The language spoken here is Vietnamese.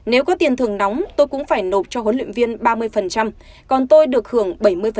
nếu có tiền thường nóng tôi cũng phải nộp cho huấn luyện viên ba mươi còn tôi được hưởng bảy mươi